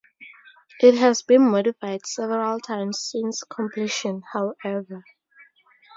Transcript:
It has been modified several times since completion, however.